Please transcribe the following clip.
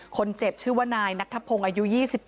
คนเจ็บชื่อว่านายนัทธพงศ์อายุ๒๘